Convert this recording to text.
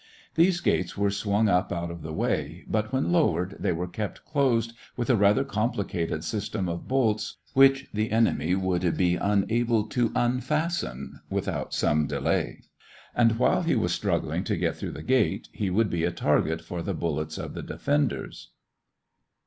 These gates were swung up out of the way, but when lowered they were kept closed with a rather complicated system of bolts which the enemy would be unable to unfasten without some delay; and while he was struggling to get through the gate, he would be a target for the bullets of the defenders.